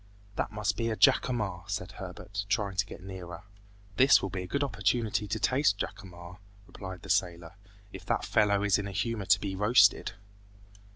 "That must be a jacamar," said Herbert, trying to get nearer. "This will be a good opportunity to taste jacamar," replied the sailor, "if that fellow is in a humor to be roasted!"